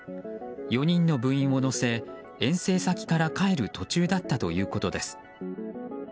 ４人の部員を乗せ遠征先から帰る途中だったということです。